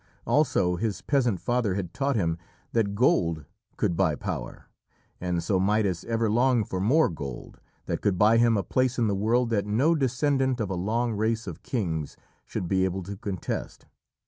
Also his peasant father had taught him that gold could buy power, and so Midas ever longed for more gold, that could buy him a place in the world that no descendant of a long race of kings should be able to contest.